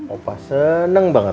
opah seneng banget